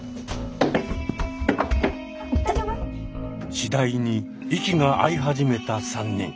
次第に息が合い始めた３人。